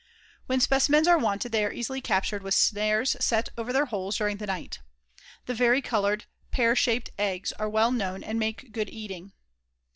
When specimens are wanted they are easily captured with snares set over their holes during the night. The vari colored pear shaped eggs are well known and make good eating.